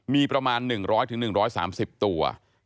มีประมาณ๑๐๐๑๓๐ตัว